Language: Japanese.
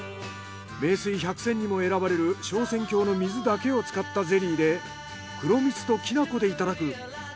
名水百選にも選ばれる昇仙峡の水だけを使ったゼリーで黒蜜ときな粉でいただく。